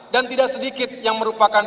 dan tidak sedikit yang merupakan